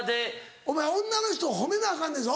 お前女の人を褒めなアカンねんぞ。